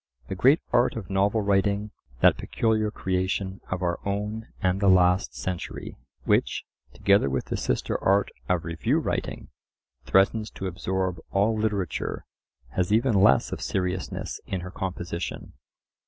The great art of novel writing, that peculiar creation of our own and the last century, which, together with the sister art of review writing, threatens to absorb all literature, has even less of seriousness in her composition.